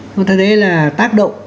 chúng ta thấy là tác động